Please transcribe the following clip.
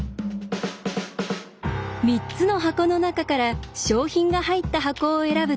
３つの箱の中から賞品が入った箱を選ぶとき